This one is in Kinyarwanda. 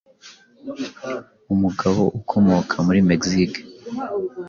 umugabo ukomoka muri Mexique.